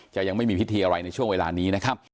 ยังไม่มีพิธีอะไรในช่วงเวลานี้นะครับ